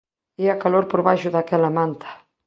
Ía calor por baixo daquela manta.